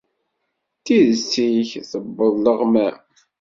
Tidet-ik tewweḍ leɣmam.